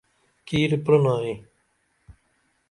کِیر پِرینائی؟